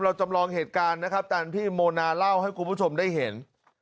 จำลองเหตุการณ์นะครับตามพี่โมนาเล่าให้คุณผู้ชมได้เห็น